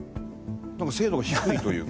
精度が低いというか。